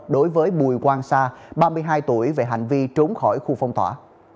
đối với bùi quang sa ba mươi hai tuổi về hành vi trốn khỏi khu phong tỏa